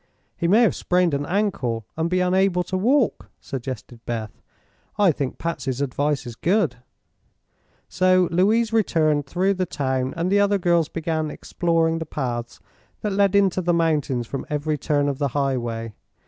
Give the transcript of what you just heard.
"He may have sprained an ankle, and be unable to walk," suggested Beth. "I think Patsy's advice is good." So Louise returned through the town and the other girls began exploring the paths that led into the mountains from every turn of the highway.